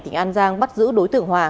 tỉnh an giang bắt giữ đối tượng hòa